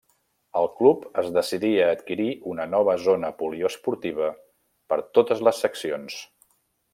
El club es decidí a adquirir una nova zona poliesportiva per totes les seccions.